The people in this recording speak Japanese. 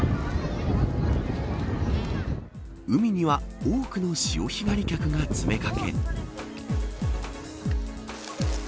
海には多くの潮干狩り客が詰めかけ。